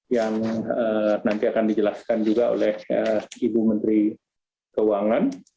yang nanti akan dijelaskan juga oleh ibu menteri keuangan